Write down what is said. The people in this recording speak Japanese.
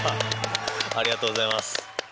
ありがとうございます。